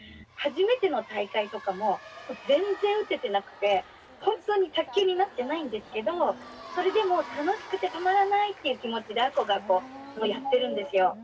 初めての大会とかも全然打ててなくてほんとに卓球になってないんですけどそれでも楽しくてたまらないっていう気持ちで亜子がやってるんですよ。